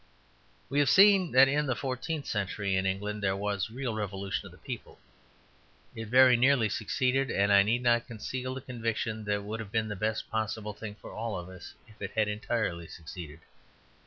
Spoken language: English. We have seen that in the fourteenth century in England there was a real revolution of the poor. It very nearly succeeded; and I need not conceal the conviction that it would have been the best possible thing for all of us if it had entirely succeeded.